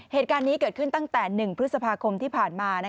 เหตุการณ์นี้เกิดขึ้นตั้งแต่๑พฤษภาคมที่ผ่านมา